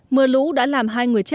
mưa lũ đã làm hai người chết